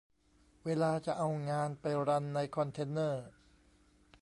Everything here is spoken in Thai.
เวลาจะเอางานไปรันในคอนเทนเนอร์